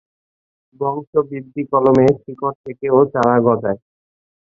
বংশবৃদ্ধি কলমে, শিকড় থেকেও চারা গজায়।